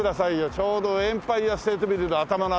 ちょうどエンパイア・ステート・ビルの頭の辺りが。